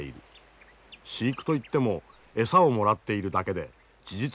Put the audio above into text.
飼育といっても餌をもらっているだけで事実